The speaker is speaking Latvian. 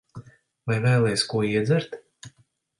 Vai vēlies ko iedzert?